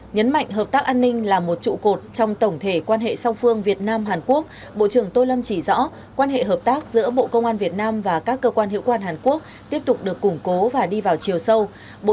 nhấn mạnh hợp tác an ninh là một trụ cột trong tổng thể quan hệ song phương việt nam hàn quốc bộ trưởng tô lâm chỉ rõ quan hệ hợp tác giữa bộ công an việt nam và các cơ quan hiệu quan hàn quốc tiếp tục được củng cố và đi vào chiều sâu